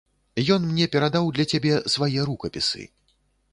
Ён мне перадаў для цябе свае рукапісы.